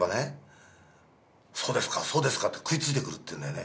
そうですかそうですかって食いついてくる」って言うんだよね。